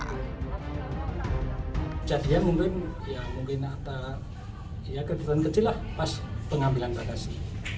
kejadian mungkin ya mungkin ada ya kegiatan kecil lah pas pengambilan batasi